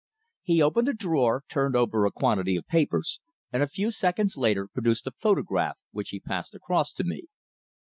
He opened a drawer, turned over a quantity of papers, and a few seconds later produced a photograph which he passed across to me.